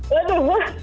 loh tuh amin kali ya